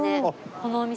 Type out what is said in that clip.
このお店。